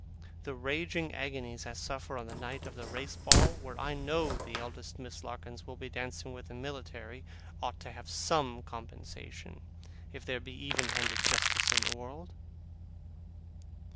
The raging agonies I suffer on the night of the Race Ball, where I know the eldest Miss Larkins will be dancing with the military, ought to have some compensation, if there be even handed justice in the world.